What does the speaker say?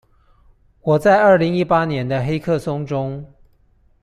我在二零一八年的黑客松中